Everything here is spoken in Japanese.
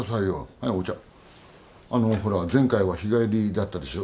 あのほら前回は日帰りだったでしょ。